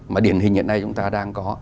mà điền hình hiện nay chúng ta đang có